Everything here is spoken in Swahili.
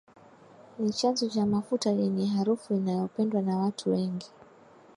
Ni chanzo cha mafuta yenye harufu inayopendwa na watu wengi